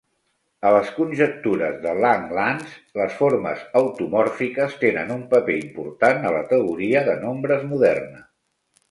A les conjectures de Langlands, les formes automòrfiques tenen un paper important a la teoria de nombres moderna.